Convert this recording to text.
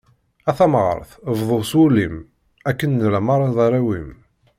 A tamɣart, bḍu s wul-im, akken nella merra d arraw-im.